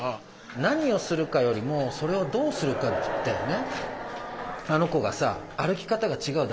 何をするかよりもそれをどうするかだよね。